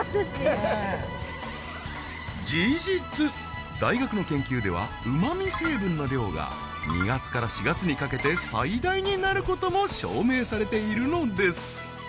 事実大学の研究ではうま味成分の量が２月から４月にかけて最大になることも証明されているのです